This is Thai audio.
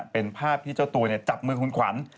เป็นภาพที่เจ้าตัวจับมือคุณขวัญ